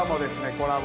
コラボ